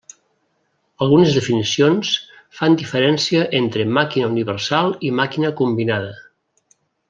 Algunes definicions fan diferència entre màquina universal i màquina combinada.